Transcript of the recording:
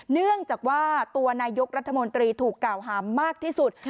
เนื่องจากว่าตัวนายกรัฐมนตรีถูกกล่าวหามากที่สุด